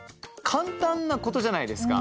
簡単なことじゃないですか。